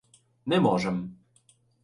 — Не можем.